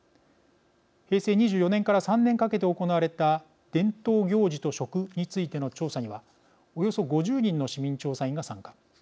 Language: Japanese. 平成２４年から３年かけて行われた伝統行事と食についての調査にはおよそ５０人の市民調査員が参加。